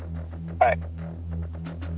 はい。